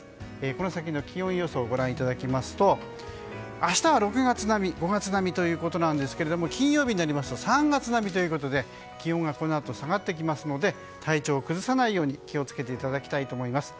この先の気温予想をご覧いただきますと明日は６月並み、５月並みということですが金曜日になりますと３月並みということで気温がこのあと下がってきますので体調を崩さないように気を付けていただきたいと思います。